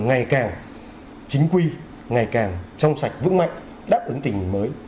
ngày càng chính quy ngày càng trong sạch vững mạnh đáp ứng tình hình mới